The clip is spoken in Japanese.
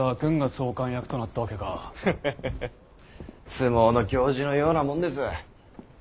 相撲の行司のようなもんです。